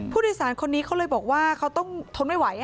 ผู้โดยสารคนนี้เขาเลยบอกว่าเขาต้องทนไม่ไหว